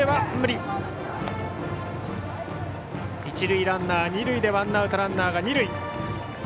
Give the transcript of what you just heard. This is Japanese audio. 一塁ランナー、二塁でワンアウトランナー、二塁。